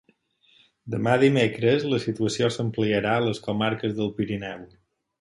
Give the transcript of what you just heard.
Demà dimecres la situació s'ampliarà a les comarques del Pirineu.